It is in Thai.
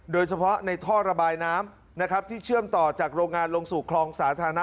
โดยเฉพาะในท่อระบายน้ำนะครับที่เชื่อมต่อจากโรงงานลงสู่คลองสาธารณะ